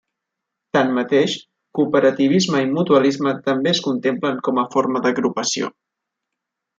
Tanmateix, cooperativisme i mutualisme també es contemplen com a forma d’agrupació.